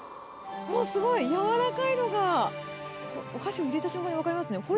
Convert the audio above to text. もうすごい、柔らかいのが、お箸を入れた瞬間に分かりますね。